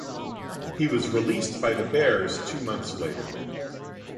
He was released by the Bears two months later.